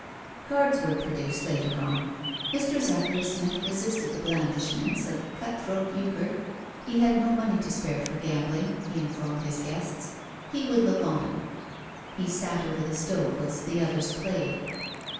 Cards were produced later on. Mr. Zachary Smith resisted the blandishments of "cut throat" euchre. He had no money to spare for gambling, he informed his guests; he would look on. He sat over the stove whilst the others played.